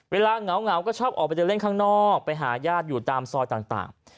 เหงาก็ชอบออกไปเดินเล่นข้างนอกไปหาญาติอยู่ตามซอยต่าง